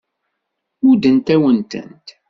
Muddent-awen-tent.